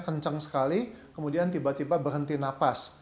dia tidurnya kencang sekali kemudian tiba tiba berhenti nafas